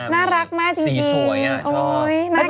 น่ารักมากจริง